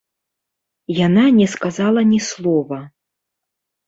Яна не сказала ні слова.